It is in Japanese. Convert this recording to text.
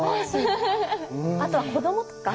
あとは子どもとか？